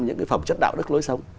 những cái phẩm chất đạo đức lối sống